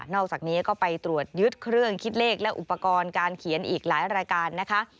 อกจากนี้ก็ไปตรวจยึดเครื่องคิดเลขและอุปกรณ์การเขียนอีกหลายรายการนะคะ